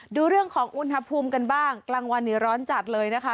ดูเรื่องของอุณหภูมิกันบ้างกลางวันนี้ร้อนจัดเลยนะคะ